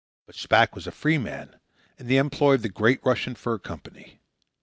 But Shpack was a free man, in the employ of the great Russian Fur Company.